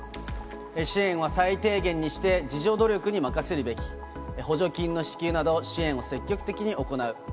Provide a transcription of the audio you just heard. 支援は最低限にして、自助努力に任せるべき、補助金の支給など支援を積極的に行う。